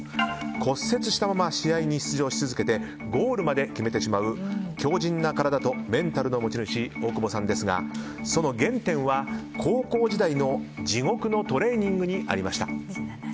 骨折したまま試合に出場し続けてゴールまで決めてしまう強靭な体とメンタルの持ち主大久保さんですがその原点は高校時代の地獄のトレーニングにありました。